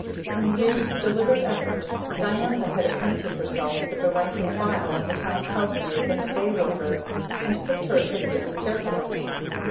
In a year's deliberate effort Diantha had acquainted herself with the rank and file of the town's housemaids and day workers, and picked her assistants carefully.